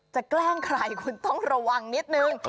แกล้งใครคุณต้องระวังนิดนึง